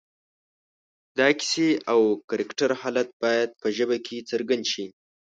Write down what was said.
د کیسې او کرکټر حالت باید په ژبه کې څرګند شي